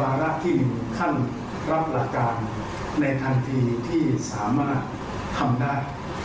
วาระที่ท่านรับประการในทันทีที่สามารถทำได้